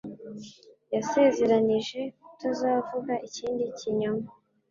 Yasezeranije kutazavuga ikindi kinyoma